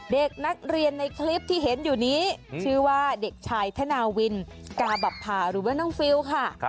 เด็กนักเรียนในคลิปที่เห็นอยู่นี้ชื่อว่าเด็กชายธนาวินกาบับภาหรือว่าน้องฟิลค่ะ